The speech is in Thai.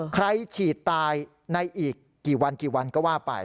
ฉีดตายในอีกกี่วันกี่วันก็ว่าไป